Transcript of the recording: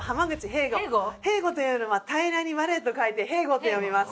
「平吾」というのは「平ら」に「吾」と書いて「へいご」と読みます。